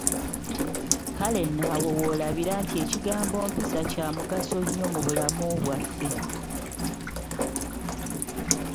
Kale nno awo w'olabira nti ekigambo mpisa kya mugaso nnyo mu bulamu bwaffe.